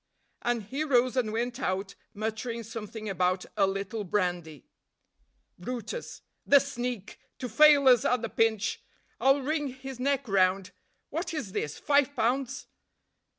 And he rose and went out, muttering something about "a little brandy." brutus. "The sneak to fail us at the pinch. I'll wring his neck round. What is this? five pounds."